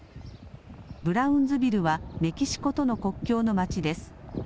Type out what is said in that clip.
ブラウンズビルはメキシコとの国境の町です。